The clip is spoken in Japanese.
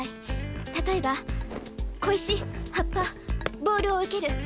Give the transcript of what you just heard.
例えば小石葉っぱボールを受ける。